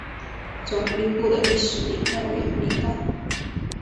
总兵府的历史年代为明代。